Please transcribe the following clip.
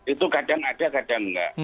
itu kadang ada kadang enggak